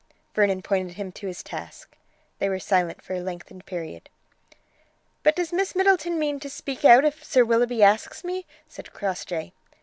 Vernon pointed him to his task. They were silent for a lengthened period. "But does Miss Middleton mean me to speak out if Sir Willoughby asks me?" said Crossjay.